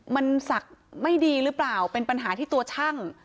มันศักดิ์ไม่ดีหรือเปล่าเป็นปัญหาที่ตัวช่าง